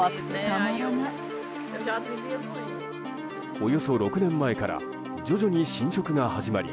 およそ６年前から徐々に浸食が始まり